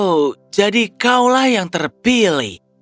oh jadi kaulah yang terpilih